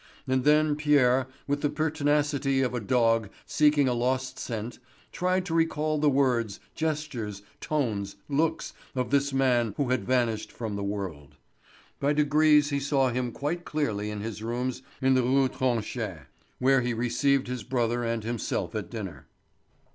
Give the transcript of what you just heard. And then Pierre, with the pertinacity of a dog seeking a lost scent, tried to recall the words, gestures, tones, looks, of this man who had vanished from the world. By degrees he saw him quite clearly in his rooms in the Rue Tronchet, where he received his brother and himself at dinner.